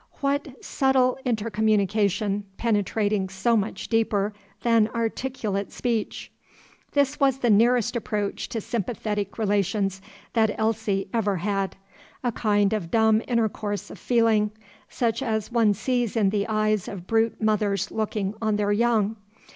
what subtile intercommunication, penetrating so much deeper than articulate speech? This was the nearest approach to sympathetic relations that Elsie ever had: a kind of dumb intercourse of feeling, such as one sees in the eyes of brute mothers looking on their young.